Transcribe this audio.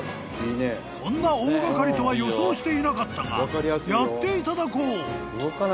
［こんな大掛かりとは予想していなかったがやっていただこう］